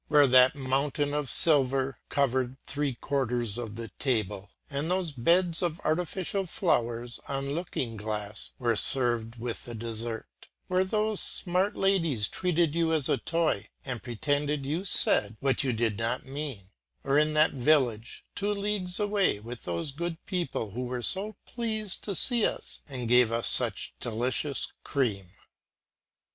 Where that mountain of silver covered three quarters of the table and those beds of artificial flowers on looking glass were served with the dessert, where those smart ladies treated you as a toy and pretended you said what you did not mean; or in that village two leagues away, with those good people who were so pleased to see us and gave us such delicious cream?"